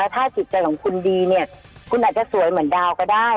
ถ้าจิตใจของคุณดีเนี่ยคุณอาจจะสวยเหมือนดาวก็ได้